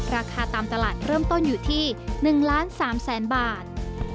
ราคาตามตลาดเริ่มต้นอยู่ที่๑๓๐๐๐๐๐บาท